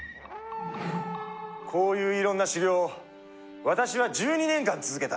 こういういろんな修行を私は１２年間続けた。